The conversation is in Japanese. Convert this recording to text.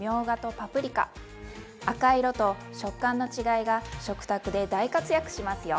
赤い色と食感の違いが食卓で大活躍しますよ。